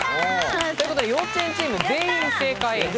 ということで幼稚園チーム、全員正解。